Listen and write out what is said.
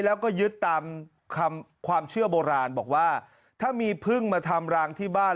แล้วก็ยึดตามคำความเชื่อโบราณบอกว่าถ้ามีพึ่งมาทำรังที่บ้าน